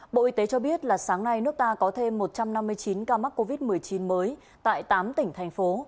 bộ y tế cho biết là sáng nay nước ta có thêm một trăm năm mươi chín ca mắc covid một mươi chín mới tại tám tỉnh thành phố